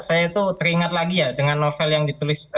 saya itu teringat lagi ya dengan novel yang ditulis